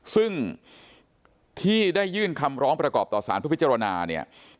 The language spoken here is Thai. ซึ่งที่ได้ยื่นคำร้องประกอบต่อสารเพื่อพิจารณาเนี่ย